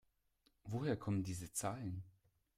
Woher kommen diese Zahlen?